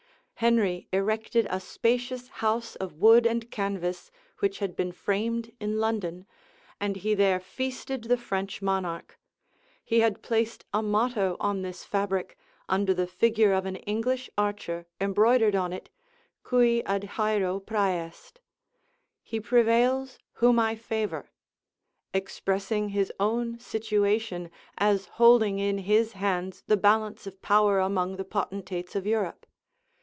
Henry erected a spacious house of wood and canvas, which had been framed in London; and he there feasted the French monarch. He had placed a motto on this fabric, under the figure of an English archer embroidered on it, "Cui adhæreo præest," He prevails whom I favor;[] expressing his own situation, as holding in his hands the balance of power among the potentates of Europe.